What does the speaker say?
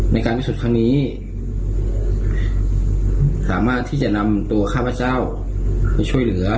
ในการพิสูจน์ครั้งนี้สามารถที่จะนำตัวข้าพเจ้าไปช่วยเหลือ